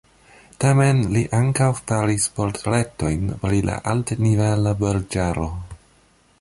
Tamen, li ankaŭ faris portretojn pri la altnivela burĝaro.